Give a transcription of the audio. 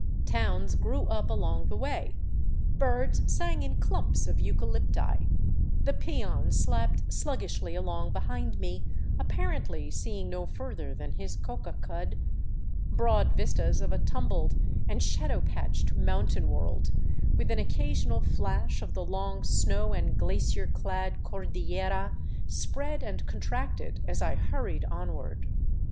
Towns grew up along the way, birds sang in clumps of euca lypti, the peon slapped sluggishly along behind me, apparently seeing no further than his coca cud; broad vistas of a tumbled and shadow patched mountain world, with an occasional flash of the long snow and glacier clad cordillera, spread and contracted as I hurried onward.